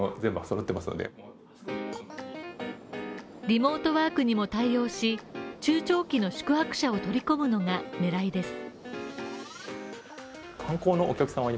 リモートワークにも対応し、中長期の宿泊者を取り込むのが狙いです。